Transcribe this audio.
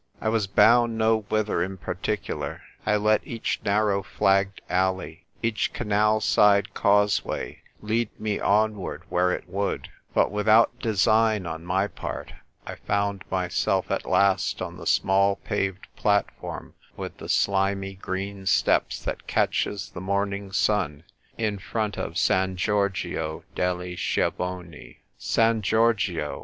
I was bound no whither in particular ; I let each narrow flagged alley, each canal side causeway, lead me onward where it would ; but, without design on my part, I found my self at last ;on the small paved platform with the slimy green steps that catches the morn ing sun, in front of San Giorgio degli Schia voni. "San Giorgio